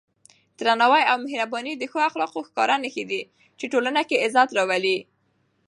درناوی او مهرباني د ښو اخلاقو ښکاره نښې دي چې ټولنه کې عزت راولي.